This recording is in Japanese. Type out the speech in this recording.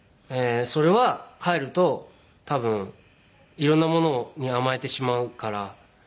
「それは帰ると多分色んなものに甘えてしまうから」